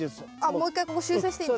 もう一回ここ修正していいんですか？